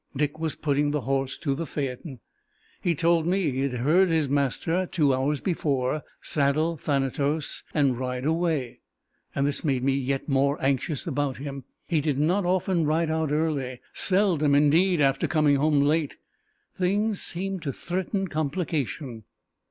Dick was putting the horse to the phaeton. He told me he had heard his master, two hours before, saddle Thanatos, and ride away. This made me yet more anxious about him. He did not often ride out early seldom indeed after coming home late! Things seemed to threaten complication!